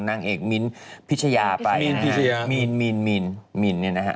นางเอกมิ้นพิชญาไปนะมินนี่นะฮะ